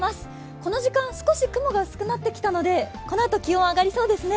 この時間少し雲が薄くなってきたのでこのあと気温上がりそうですね。